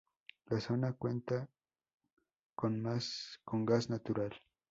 La zona cuenta con gas natural.